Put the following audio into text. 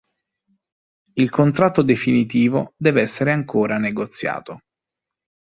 Il contratto definitivo deve ancora essere negoziato.